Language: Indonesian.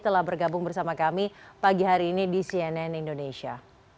telah bergabung bersama kami pagi hari ini di cnn indonesia